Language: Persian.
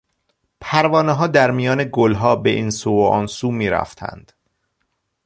پروانهها در میان گلها به این سو و آن سو میرفتند.